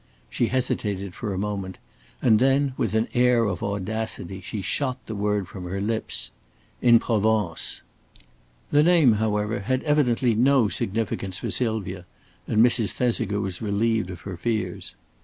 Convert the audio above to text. She hesitated for a moment, and then with an air of audacity she shot the word from her lips "in Provence." The name, however, had evidently no significance for Sylvia, and Mrs. Thesiger was relieved of her fears.